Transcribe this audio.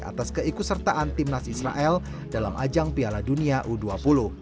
atas keikusertaan timnas israel dalam ajaknya ke indonesia